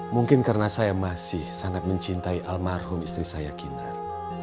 mungkin karena saya masih sangat mencintai almarhum istri saya kinar